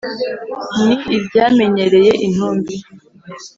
ni iryamenyereye intumbi